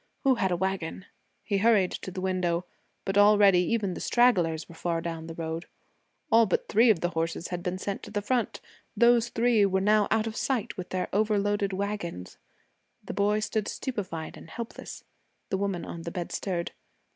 Who had a wagon? He hurried to the window, but already even the stragglers were far down the road. All but three of the horses had been sent to the front. Those three were now out of sight with their overloaded wagons. The boy stood stupefied and helpless. The woman on the bed stirred.